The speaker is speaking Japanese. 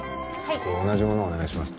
これ同じものをお願いします。